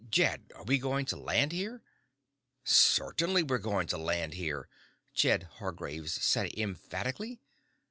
"Jed, are we going to land here?" "Certainly we're going to land here!" Jed Hargraves said emphatically.